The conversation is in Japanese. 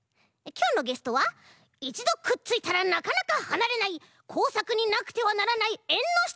きょうのゲストはいちどくっついたらなかなかはなれないこうさくになくてはならないえんのしたのちからもち！